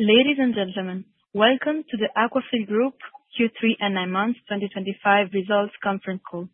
Ladies and gentlemen, welcome to the Aquafil Group Q3 and 9 months 2025 results conference call.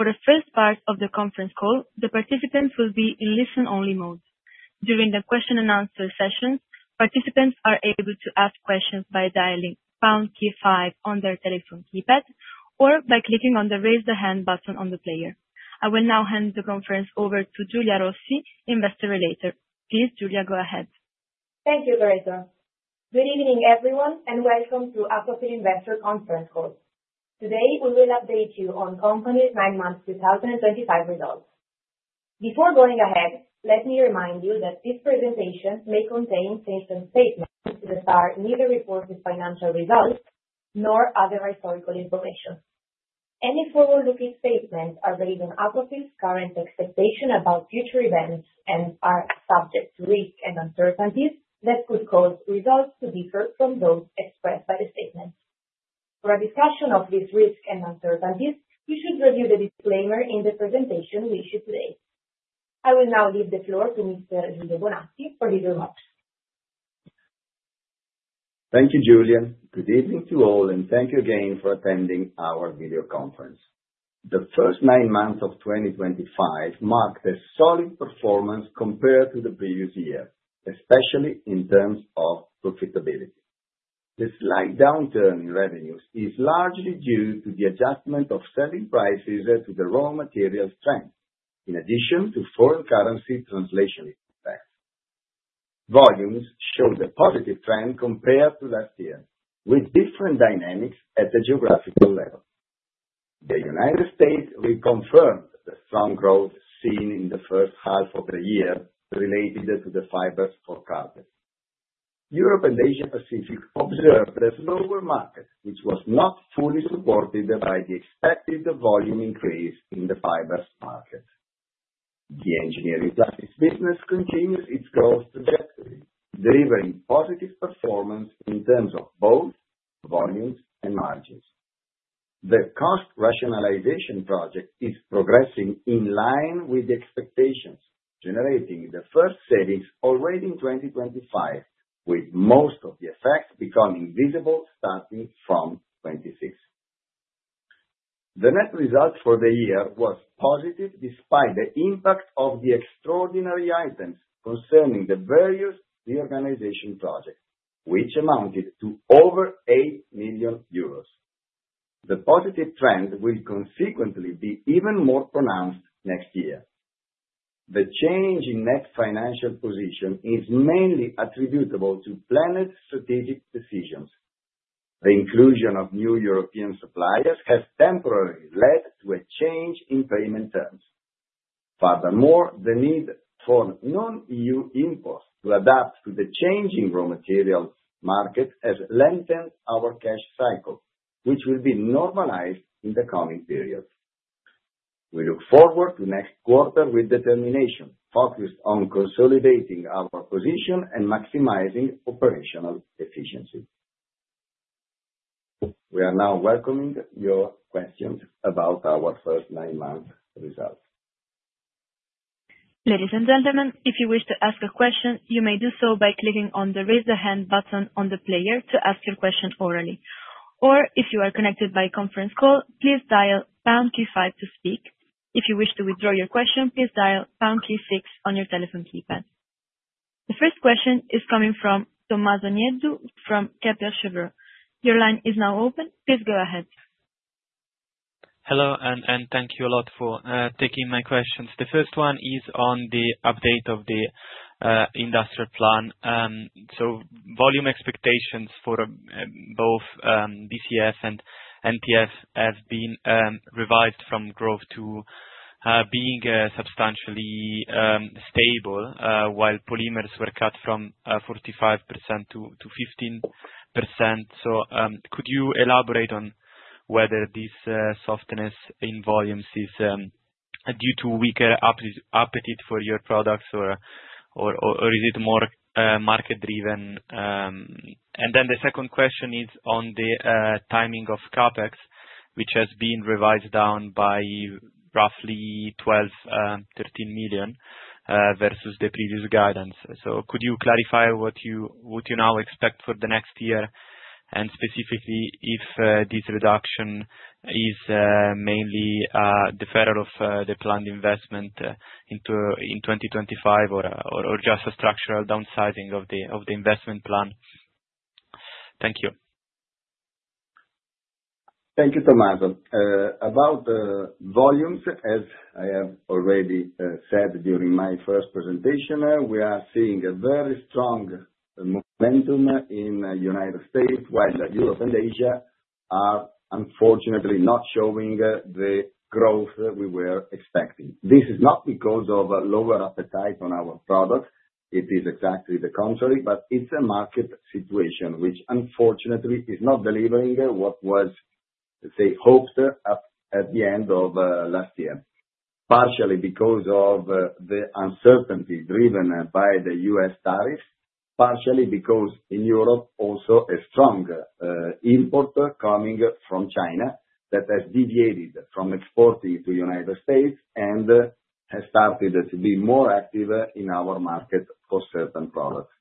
For the 1st part of the conference call, the participants will be in listen-only mode. During the question and answer session, participants are able to ask questions by dialing #5 on their telephone keypad or by clicking on the raise the hand button on the player. I will now hand the conference over to Giulia Rossi, investor relator. Please, Giulia, go ahead. Thank you, Loretta. Good evening, everyone, welcome to Aquafil Investor Conference Call. Today, we will update you on company 9 months 2025 results. Before going ahead, let me remind you that this presentation may contain certain statements that are neither reported financial results nor other historical information. Any forward-looking statements are based on Aquafil's current expectation about future events and are subject to risk and uncertainties that could cause results to differ from those expressed by the statements. For a discussion of these risks and uncertainties, you should review the disclaimer in the presentation we issue today. I will now leave the floor to Mr. Giulio Bonazzi for his remarks. Thank you, Giulia. Good evening to all, thank you again for attending our video conference. The 1st 9 months of 2025 marked a solid performance compared to the previous year, especially in terms of profitability. The slight downturn in revenues is largely due to the adjustment of selling prices to the raw materials trend, in addition to foreign currency translation effects. Volumes show the positive trend compared to last year, with different dynamics at the geographical level. The U.S. reconfirmed the strong growth seen in the 1st half of the year related to the fibers for carpet. Europe and Asia Pacific observed a slower market, which was not fully supported by the expected volume increase in the fibers market. The engineering plastics business continues its growth trajectory, delivering positive performance in terms of both volumes and margins. The cost rationalization project is progressing in line with the expectations, generating the 1st savings already in 2025, with most of the effects becoming visible starting from 2026. The net result for the year was positive despite the impact of the extraordinary items concerning the various reorganization projects, which amounted to over 8 million euros. The positive trend will consequently be even more pronounced next year. The change in net financial position is mainly attributable to planned strategic decisions. The inclusion of new European suppliers has temporarily led to a change in payment terms. Furthermore, the need for non-EU imports to adapt to the changing raw material market has lengthened our cash cycle, which will be normalized in the coming periods. We look forward to next quarter with determination, focused on consolidating our position and maximizing operational efficiency. We are now welcoming your questions about our 1st 9 months results. Ladies and gentlemen, if you wish to ask a question, you may do so by clicking on the raise the hand button on the player to ask your question orally. Or if you are connected by conference call, please dial pound key five to speak. If you wish to withdraw your question, please dial pound key six on your telephone keypad. The first question is coming from Tommaso Nieddu from Kepler Cheuvreux. Your line is now open. Please go ahead. Hello. Thank you a lot for taking my questions. The first one is on the update of the industrial plan. Volume expectations for both BCF and NTF have been revised from growth to being substantially stable, while polymers were cut from 45% to 15%. Could you elaborate on whether this softness in volumes is due to weaker appetite for your products or is it more market driven? The second question is on the timing of CapEx, which has been revised down by roughly 12 million-13 million, versus the previous guidance. Could you clarify what you now expect for the next year? Specifically if this reduction is mainly deferral of the planned investment in 2025 or just a structural downsizing of the investment plan? Thank you. Thank you, Tommaso. About volumes, as I have already said during my first presentation, we are seeing a very strong momentum in United States, while Europe and Asia are unfortunately not showing the growth we were expecting. This is not because of lower appetite on our product. It is exactly the contrary, but it's a market situation which unfortunately is not delivering what was, let's say, hoped at the end of last year. Partially because of the uncertainty driven by the U.S. tariffs, partially because in Europe also a strong import coming from China that has deviated from exporting to United States and has started to be more active in our market for certain products.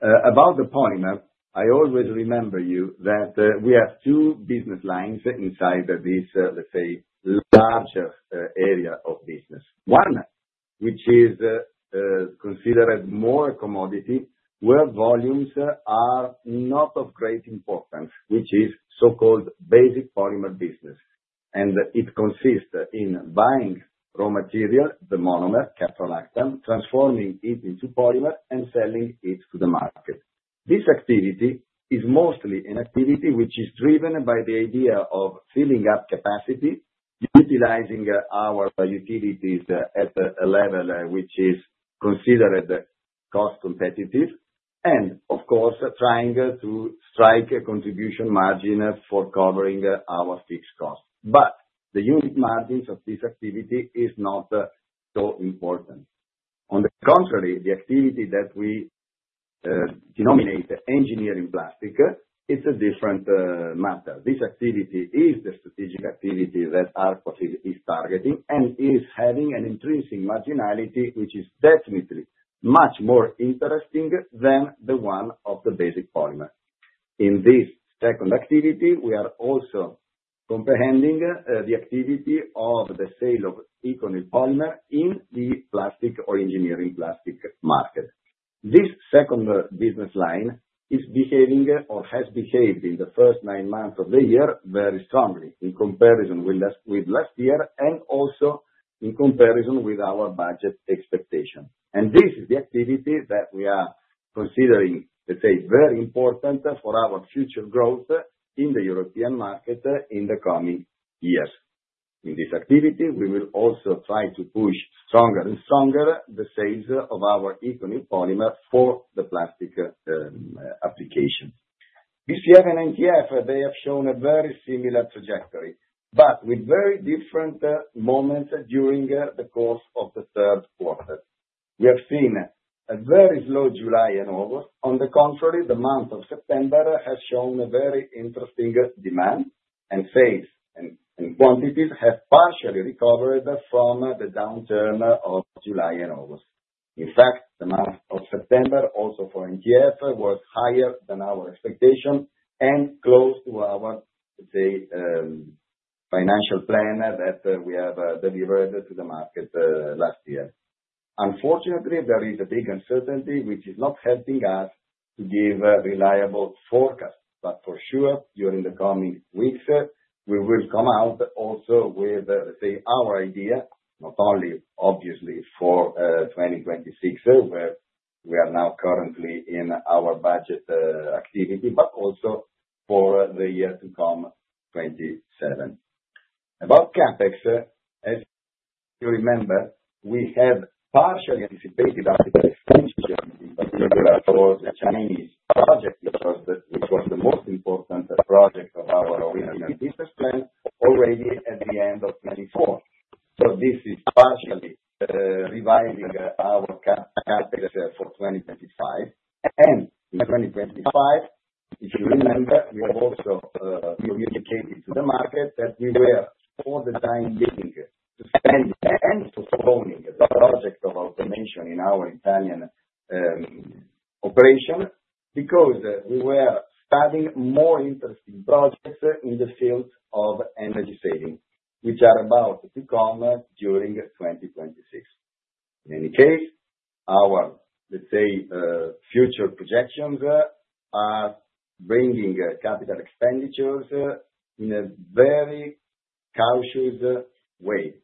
About the polymer, I always remember you that we have two business lines inside this, let's say, larger area of business. One, which is considered more a commodity, where volumes are not of great importance, which is so-called basic polymer business. It consists in buying raw material, the monomer, caprolactam, transforming it into polymer and selling it to the market. This activity is mostly an activity which is driven by the idea of filling up capacity, utilizing our utilities at a level which is considered cost competitive, and of course, trying to strike a contribution margin for covering our fixed cost. The unit margins of this activity is not so important. On the contrary, the activity that we denominate engineering plastic, it's a different matter. This activity is the strategic activity that Aquafil is targeting and is having an intrinsic marginality which is definitely much more interesting than the one of the basic polymer. In this second activity, we are also comprehending the activity of the sale of ECONYL polymer in the plastic or engineering plastics market. This second business line is behaving or has behaved in the first nine months of the year, very strongly in comparison with last year, and also in comparison with our budget expectation. This is the activity that we are considering, let's say, very important for our future growth in the European market in the coming years. In this activity, we will also try to push stronger and stronger the sales of our ECONYL polymer for the plastic application. BCF and NTF, they have shown a very similar trajectory, but with very different moments during the course of the third quarter. We have seen a very slow July and August. On the contrary, the month of September has shown a very interesting demand, sales and quantities have partially recovered from the downturn of July and August. In fact, the month of September, also for NTF, was higher than our expectation and close to our, let's say, financial plan that we have delivered to the market last year. Unfortunately, there is a big uncertainty, which is not helping us to give reliable forecast. For sure, during the coming weeks, we will come out also with, let's say, our idea, not only obviously for 2026, where we are now currently in our budget activity, but also for the year to come, 2027. About CapEx, as you remember, we have partially anticipated our CapEx expenditure, in particular for the Chinese project, because that which was the most important project of our original business plan already at the end of 2024. This is partially, revising our CapEx for 2025. In 2025, if you remember, we have also communicated to the market that we were all the time beginning to spend and postponing the project of automation in our Italian operation because we were studying more interesting projects in the field of energy saving, which are about to come during 2026. In any case, our, let's say, future projections are bringing capital expenditures in a very cautious way.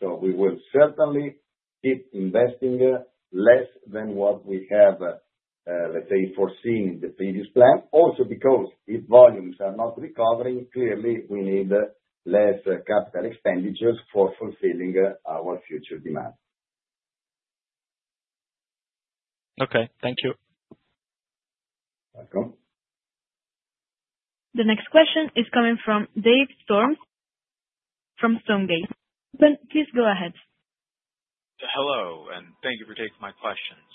We will certainly keep investing less than what we have, let's say, foreseen in the previous plan. Also, because if volumes are not recovering, clearly we need less capital expenditures for fulfilling our future demands. Okay. Thank you. Welcome. The next question is coming from Dave Storms from Stonegate. Please go ahead. Hello. Thank you for taking my questions.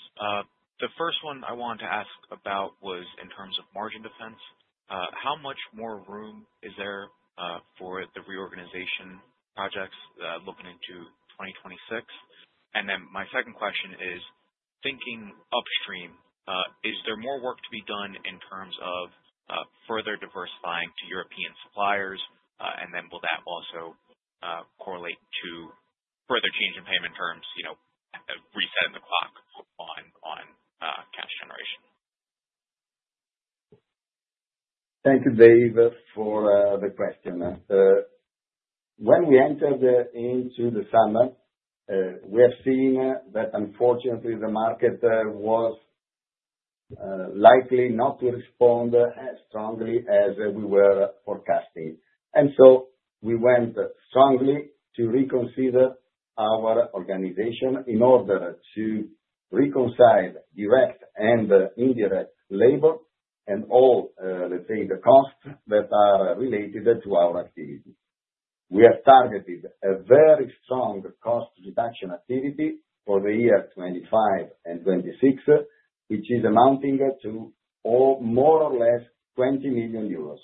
The first one I wanted to ask about was in terms of margin defense. How much more room is there for the reorganization projects, looking into 2026? My second question is thinking upstream, is there more work to be done in terms of further diversifying to European suppliers? Will that also correlate to further change in payment terms, reset the clock on cash generation? Thank you, Dave, for the question. When we entered into the summer, we have seen that unfortunately, the market was likely not to respond as strongly as we were forecasting. We went strongly to reconsider our organization in order to reconcile direct and indirect labor and all, let's say, the costs that are related to our activity. We have targeted a very strong cost reduction activity for the year 2025 and 2026, which is amounting to more or less 20 million euros.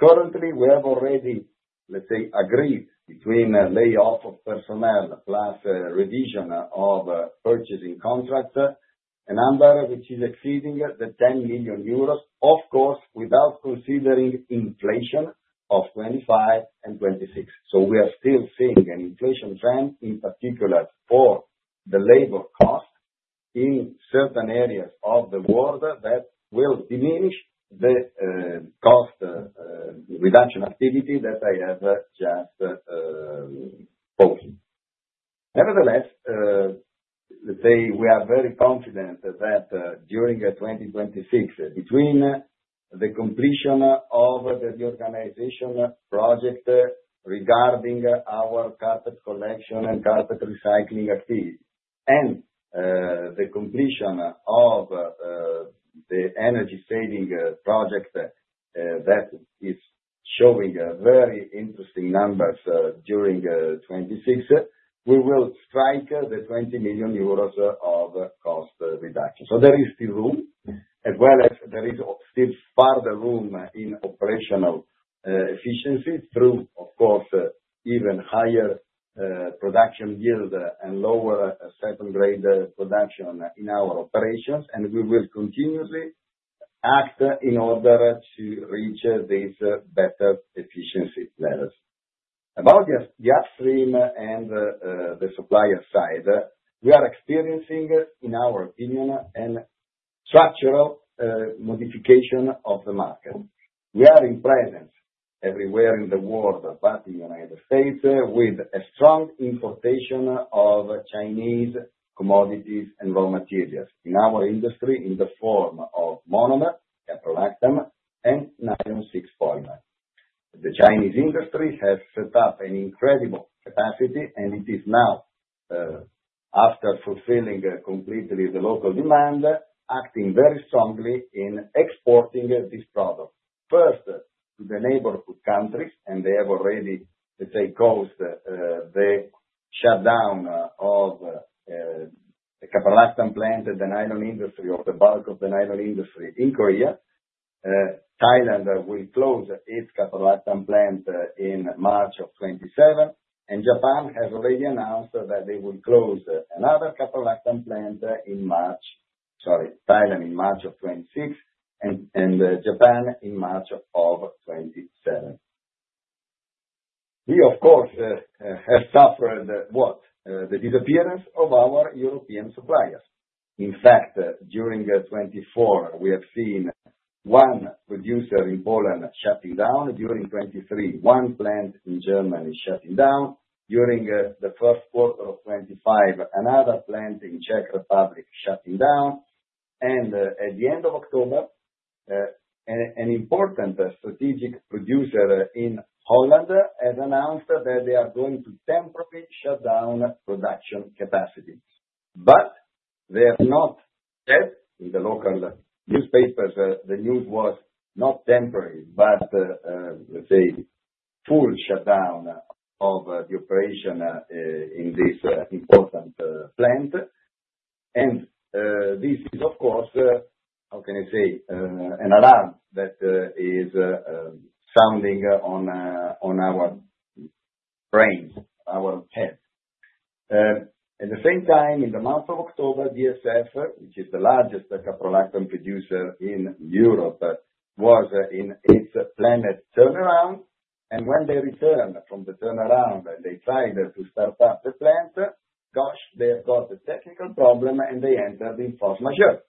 Currently, we have already, let's say, agreed between layoff of personnel plus revision of purchasing contract, a number which is exceeding the 10 million euros, of course, without considering inflation of 2025 and 2026. We are still seeing an inflation trend, in particular for the labor cost in certain areas of the world that will diminish the cost reduction activity that I have just spoken. Nevertheless, let's say we are very confident that during 2026, between the completion of the reorganization project regarding our carpet collection and carpet recycling activity and the completion of the energy saving project that is showing very interesting numbers during 2026, we will strike the 20 million euros of cost reduction. There is still room, as well as there is still further room in operational efficiency through, of course, even higher production yield and lower second grade production in our operations, and we will continuously act in order to reach these better efficiency levels. About the upstream and the supplier side, we are experiencing, in our opinion, a structural modification of the market. We are in presence everywhere in the world, but in U.S., with a strong importation of Chinese commodities and raw materials in our industry in the form of monomer, caprolactam, and nylon 6 polymer. The Chinese industry has set up an incredible capacity. It is now, after fulfilling completely the local demand, acting very strongly in exporting this product, first to the neighborhood countries. They have already, let's say, caused the shutdown of caprolactam plant and the nylon industry or the bulk of the nylon industry in Korea. Thailand will close its caprolactam plant in March of 2027. Japan has already announced that they will close another caprolactam plant in March. Sorry, Thailand in March of 2026 and Japan in March of 2027. We, of course, have suffered what? The disappearance of our European suppliers. In fact, during 2024, we have seen one producer in Poland shutting down. During 2023, one plant in Germany shutting down. During the first quarter of 2025, another plant in Czech Republic shutting down. At the end of October, an important strategic producer in Holland has announced that they are going to temporarily shut down production capacity. They have not said in the local newspapers the news was not temporary, but, let's say, full shutdown of the operation in this important plant. This is, of course, how can I say, an alarm that is sounding on our brains, our head. At the same time, in the month of October, DOMO Chemicals, which is the largest caprolactam producer in Europe, was in its plant turnaround. When they returned from the turnaround, they tried to start up the plant. Gosh, they have got a technical problem. They entered in force majeure.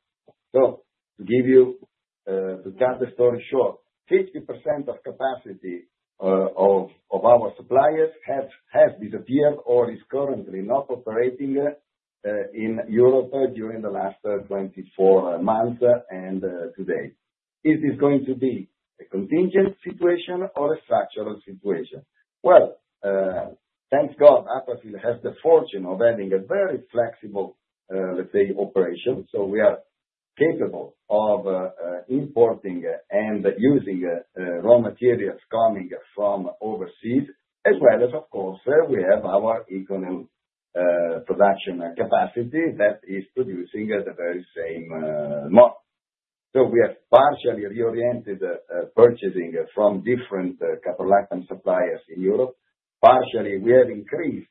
To cut the story short, 50% of capacity of our suppliers have disappeared or is currently not operating in Europe during the last 24 months and today. Is this going to be a contingent situation or a structural situation? Well, thanks God, Aquafil has the fortune of having a very flexible, let's say, operation. We are capable of importing and using raw materials coming from overseas as well as, of course, where we have our ECONYL production capacity that is producing the very same model. We have partially reoriented purchasing from different caprolactam suppliers in Europe. Partially, we have increased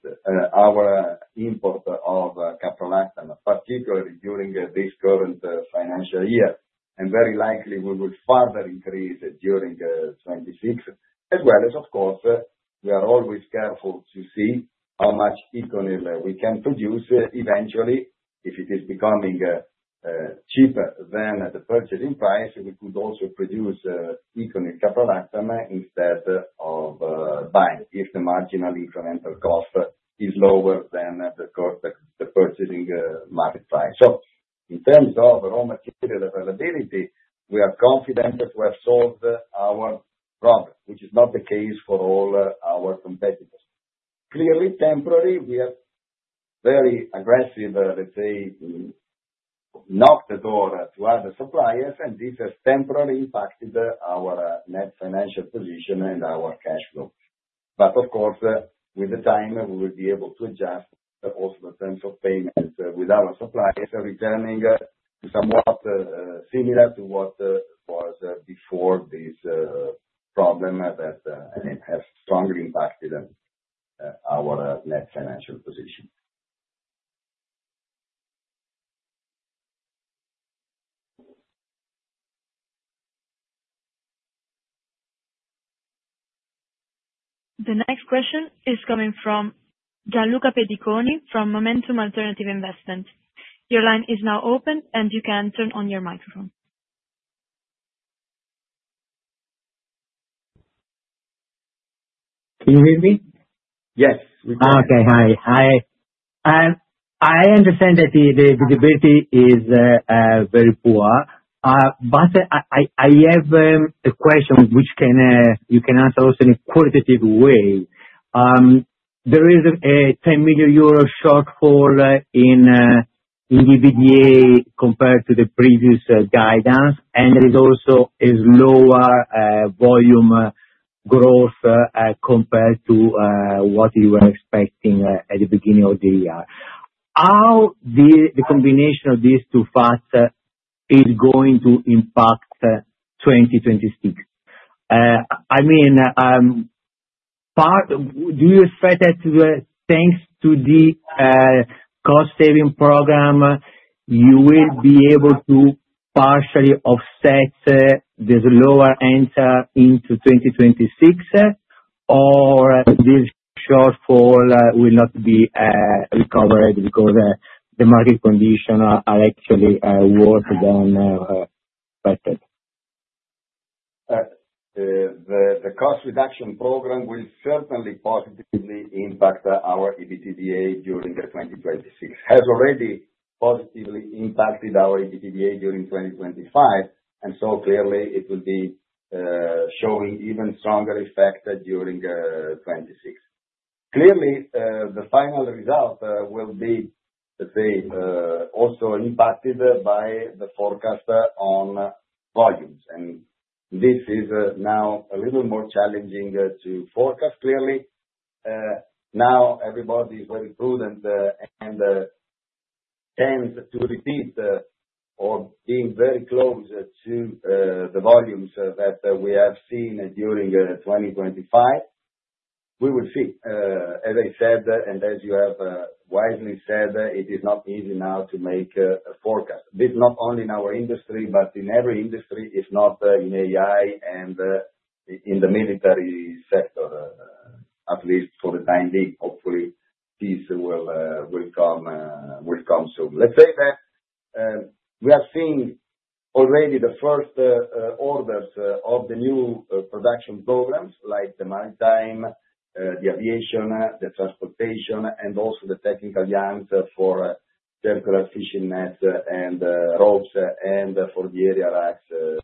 our import of caprolactam, particularly during this current financial year. Very likely we will further increase during 2026. As well as, of course, we are always careful to see how much ECONYL we can produce eventually. If it is becoming cheaper than the purchasing price, we could also produce ECONYL caprolactam instead of buying, if the marginal incremental cost is lower than the purchasing market price. In terms of raw material availability, we are confident that we have solved our problem, which is not the case for all our competitors. Clearly temporary, we are very aggressive, let's say, knock the door to other suppliers. This has temporarily impacted our net financial position and our cash flow. Of course, with time, we will be able to adjust also the terms of payments with our suppliers, returning somewhat similar to what was before this problem that has strongly impacted our net financial position. The next question is coming from Gianluca Pediconi from Momentum Alternative Investments. Your line is now open, and you can turn on your microphone. Can you hear me? Yes, we can. Okay. Hi. I understand that the visibility is very poor, I have a question which you can answer also in a qualitative way. There is a EUR 10 million shortfall in EBITDA compared to the previous guidance, and there is also a lower volume growth compared to what you were expecting at the beginning of the year. How the combination of these two factors is going to impact 2026? Do you expect that thanks to the cost-saving program, you will be able to partially offset this lower enter into 2026, or this shortfall will not be recovered because the market conditions are actually worse than expected? The cost reduction program will certainly positively impact our EBITDA during 2026. It has already positively impacted our EBITDA during 2025. Clearly, it will be showing even stronger effects during 2026. Clearly, the final result will be, let's say, also impacted by the forecast on volumes. This is now a little more challenging to forecast. Clearly, now everybody is very prudent and tends to repeat or being very close to the volumes that we have seen during 2025. We will see. As I said, and as you have wisely said, it is not easy now to make a forecast. This not only in our industry, but in every industry, if not in AI and in the military sector, at least for the time being. Hopefully peace will come soon. Let's say that we are seeing already the first orders of the new production programs like the maritime, the aviation, the transportation, and also the technical yarns for temporary fishing nets and ropes and for the aerial access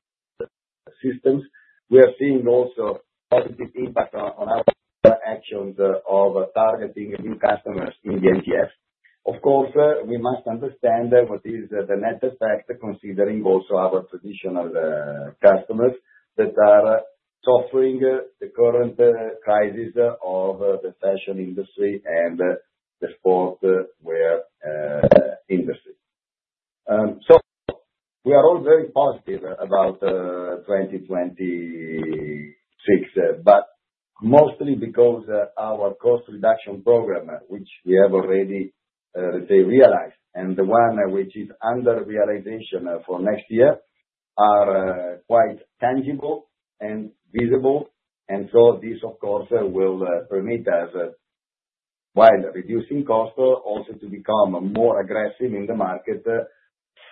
systems. We are seeing also positive impact on our actions of targeting new customers in the MDF. Of course, we must understand what is the net effect, considering also our traditional customers that are suffering the current crisis of the fashion industry and the sportswear industry. We are all very positive about 2026, but mostly because our cost reduction program, which we have already, let's say, realized, and the one which is under realization for next year, are quite tangible and visible. This, of course, will permit us, while reducing costs, also to become more aggressive in the market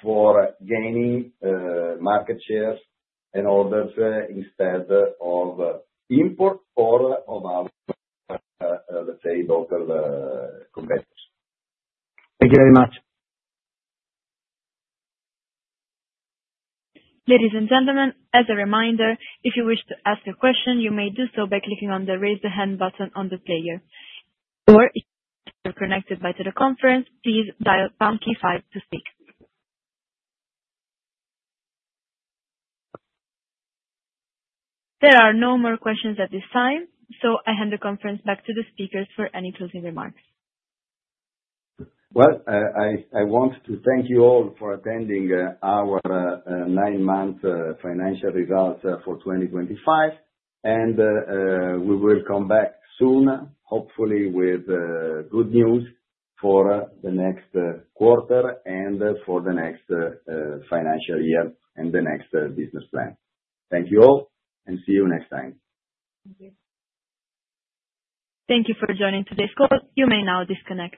for gaining market shares and orders instead of import or of our, let's say, local competitors. Thank you very much. Ladies and gentlemen, as a reminder, if you wish to ask a question, you may do so by clicking on the Raise the Hand button on the player. Or if you are connected by teleconference, please dial pound key five to speak. There are no more questions at this time. I hand the conference back to the speakers for any closing remarks. Well, I want to thank you all for attending our nine-month financial results for 2025. We will come back soon, hopefully with good news for the next quarter and for the next financial year and the next business plan. Thank you all. See you next time. Thank you. Thank you for joining today's call. You may now disconnect.